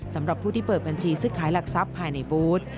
สำหรับผู้ที่เปิดบัญชีซื้อขายหลักทรัพย์ภายในบูธ